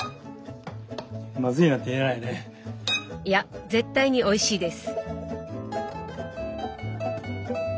いや絶対においしいです。